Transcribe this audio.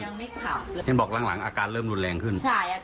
ตัวนี้บอกหลังอาการเริ่มแรงขึ้น